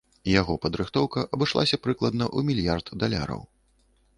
Яго падрыхтоўка абышлася прыкладна ў мільярд даляраў.